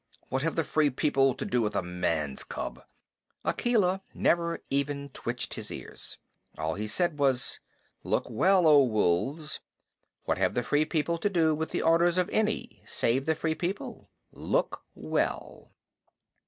What have the Free People to do with a man's cub?" Akela never even twitched his ears. All he said was: "Look well, O Wolves! What have the Free People to do with the orders of any save the Free People? Look well!"